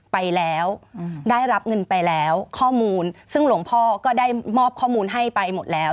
ไปแล้วได้รับเงินไปแล้วข้อมูลซึ่งหลวงพ่อก็ได้มอบข้อมูลให้ไปหมดแล้ว